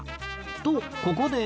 とここで